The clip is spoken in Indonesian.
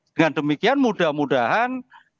dengan demikian mudah mudahan